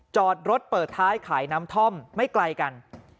จอดรถเปิดท้ายขายน้ำท่อมไม่ไกลกัน